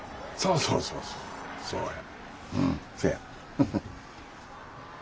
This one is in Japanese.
そうそうそうそう。